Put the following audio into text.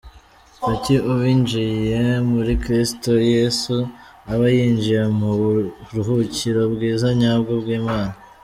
Kuki uwinjiye muri Kristo Yesu aba yinjiye mu buruhukiro bwiza nyabwo bw’Imana?.